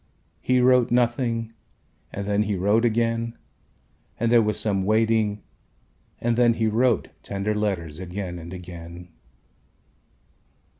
He wrote nothing and then he wrote again and there was some waiting and then he wrote tender letters again and again.